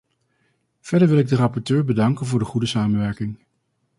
Verder wil ik de rapporteur bedanken voor de goede samenwerking.